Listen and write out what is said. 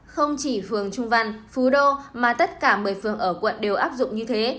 không chỉ phường trung văn phú đô mà tất cả một mươi phường ở quận đều áp dụng như thế